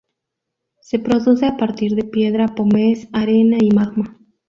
Se produce a partir de piedra pómez, arena y magma.